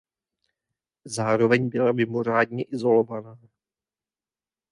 Zároveň byla mimořádně izolovaná.